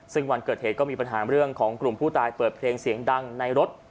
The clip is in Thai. ซึ่งวันเกิดเหตุก็มีปัญหาเรื่องของกลุ่มผู้ตายเปิดเพลงเสียงดังในรถ